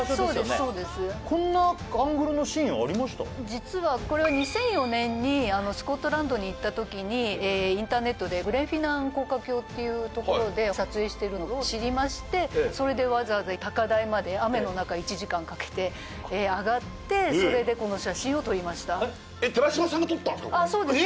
実はこれは２００４年にスコットランドに行った時にインターネットでグレンフィナン高架橋っていうところで撮影しているのを知りましてそれでわざわざそれでこの写真を撮りましたああそうです